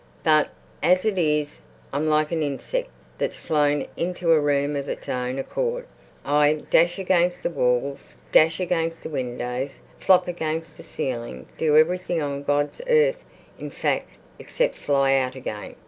But as it is, I'm like an insect that's flown into a room of its own accord. I dash against the walls, dash against the windows, flop against the ceiling, do everything on God's earth, in fact, except fly out again.